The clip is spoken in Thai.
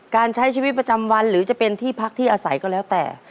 การใช้ชีวิตประจำวันหรือจะเป็นที่พักที่อาศัยก็แล้วแต่